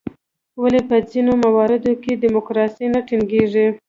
ولې په ځینو مواردو کې ډیموکراسي نه ټینګیږي؟